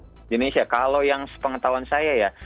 indonesia kalau yang sepengetahuan saya ya